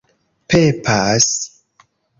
pepas